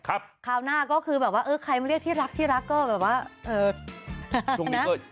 คราวหน้าก็คือแบบว่าเออใครมาเรียกที่รักที่รักก็แบบว่าเอ่อถูกไหม